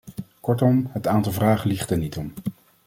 Kortom, het aantal vragen liegt er niet om.